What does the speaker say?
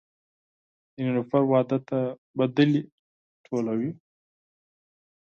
د نیلوفر واده ته سندرې ټولوي